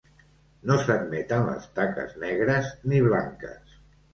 No s'admeten les taques negres ni blanques.